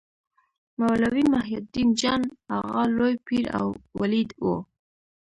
مولوي محي الدین جان اغا لوی پير او ولي و.